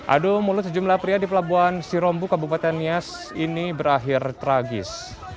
adu mulut sejumlah pria di pelabuhan sirombu kabupaten nias ini berakhir tragis